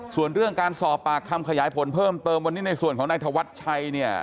ส่วนเรื่องการสอบปากคำขยายผลเพิ่มเติมวันนี้ในส่วนของนายธวัชชัยเนี่ย